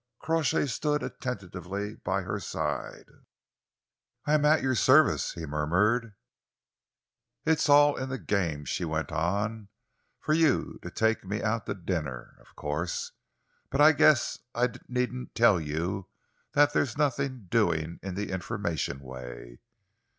Crawshay stood attentively by her side. "I am at your service," he murmured. "It's all in the game," she went on, "for you to take me out to dinner, of course, but I guess I needn't tell you that there's nothing doing in the information way.